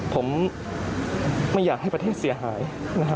ผมไม่อยากให้ประเทศเสียหายนะฮะ